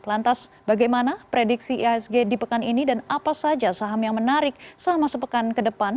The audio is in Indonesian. lantas bagaimana prediksi ihsg di pekan ini dan apa saja saham yang menarik selama sepekan ke depan